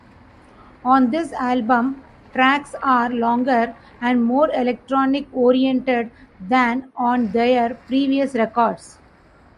On this album, tracks are longer and more electronic-oriented than on their previous records.